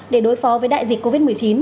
để đối phó với đại dịch covid một mươi chín